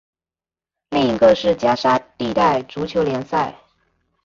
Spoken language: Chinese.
另一个是加沙地带足球联赛。